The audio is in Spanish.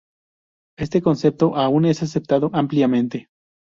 Este concepto aún es aceptado ampliamente.